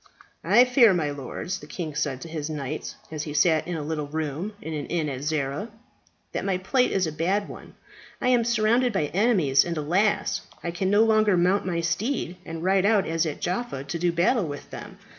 "I fear, my lords," the king said to his knights as he sat in a little room in an inn at Zara, "that my plight is a bad one. I am surrounded by enemies, and, alas! I can no longer mount my steed and ride out as at Jaffa to do battle with them.